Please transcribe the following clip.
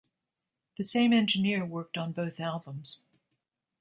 The same engineer worked on both albums.